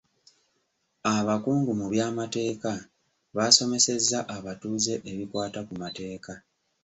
Abakungu mu by'amateeka baasomesezza abatuuze ebikwata ku mateeka.